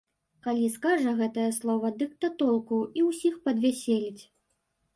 Калі скажа гэтае слова, дык да толку і ўсіх падвяселіць.